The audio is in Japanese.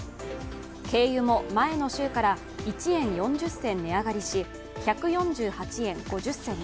軽油も前の週から１円４０銭値上がりし１４８円５０銭に、